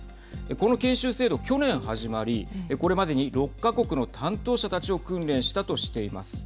この研修制度、去年始まりこれまでに６か国の担当者たちを訓練したとしています。